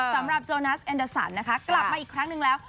สำหรับโจนัสเอ็นเตอร์สันนะคะกลับมาอีกครั้งหนึ่งแล้ว